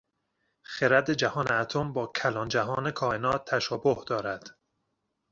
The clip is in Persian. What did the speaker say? خرد جهان اتم با کلان جهان کائنات تشابه دارد.